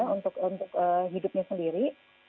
untuk hidupnya sendiri